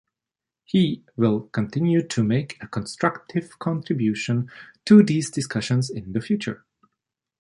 We will continue to make a constructive contribution to these discussions in the future.